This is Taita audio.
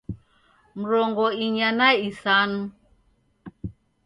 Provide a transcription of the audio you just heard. Mrongo inya na isanu